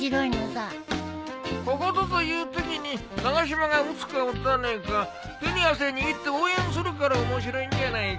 ここぞというときに長嶋が打つか打たねえか手に汗握って応援するから面白いんじゃないか。